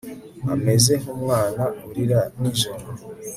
ameze nk'umwana urira nijoro